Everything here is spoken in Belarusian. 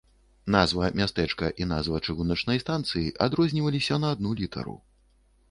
Назва мястэчка і назва чыгуначнай станцыі адрозніваліся на адну літару.